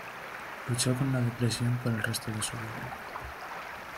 Luchó con la depresión por el resto de su vida.